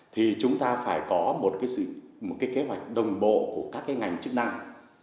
thì chúng ta phải có một cái kế hoạch đồng bộ của các cái ngành chức năng